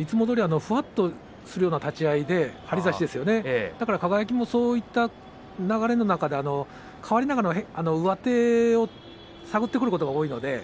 いつものようにふわっとするような立ち合いで張り差しですね、輝もそういった流れの中でもあってかわりながら上手を探っていくことが多いですね